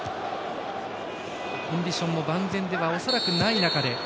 コンディションも万全では恐らく、ない中で。